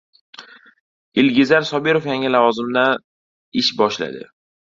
Ilgizar Sobirov yangi lavozimda ish boshladi